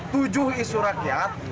tujuh isu rakyat